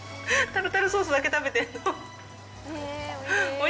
タルタルソースだけ食べてるの？